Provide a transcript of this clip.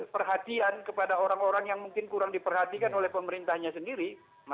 perhatian kepada orang orang yang mungkin kurang diperhatikan oleh pemerintahnya sendiri